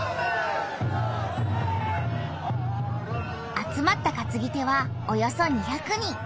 集まったかつぎ手はおよそ２００人。